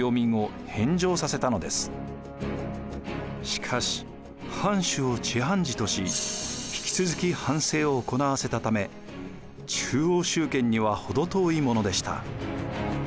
しかし藩主を知藩事とし引き続き藩政を行わせたため中央集権には程遠いものでした。